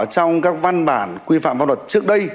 trong các văn bản quy phạm pháp luật trước đây